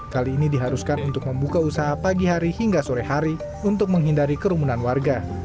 kali ini diharuskan untuk membuka usaha pagi hari hingga sore hari untuk menghindari kerumunan warga